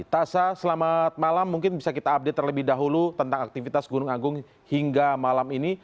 tasa selamat malam mungkin bisa kita update terlebih dahulu tentang aktivitas gunung agung hingga malam ini